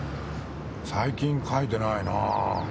最近書いてないなぁ。